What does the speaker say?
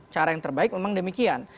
cara yang terbaik memang demikian